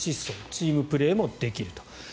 チームプレーもできると。